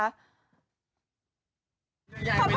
พอแม่เห็นอย่างผิดเลย